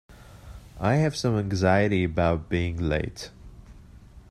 I have some anxiety about being late.